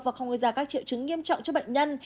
và không gây ra các triệu chứng nghiêm trọng cho bệnh nhân